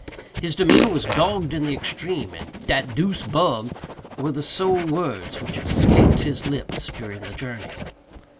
His demeanor was dogged in the extreme, and "dat deuced bug" were the sole words which escaped his lips during the journey.